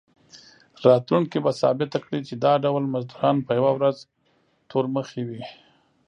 راتلونکي به ثابته کړي چې دا ډول مزدوران به یوه ورځ تورمخي وي.